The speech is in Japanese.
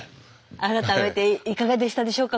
改めていかがでしたでしょうか？